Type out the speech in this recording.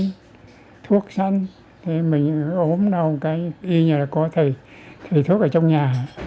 thử thuốc sánh thì mình ốm đau cái y như là có thầy thuốc ở trong nhà